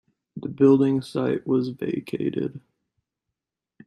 The building site was vacated.